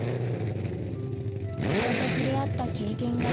人と触れ合った経験がないからか